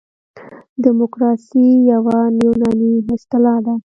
دموکراسي یوه یوناني اصطلاح ده.